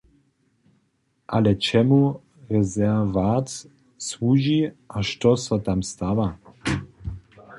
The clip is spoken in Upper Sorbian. Ale čemu rezerwat słuži a što so tam stawa?